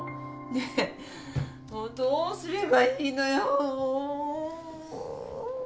ねえもうどうすればいいのよ。